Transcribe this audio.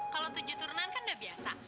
kalau tujuh turunan kan udah biasa